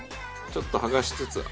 ちょっと剥がしつつ。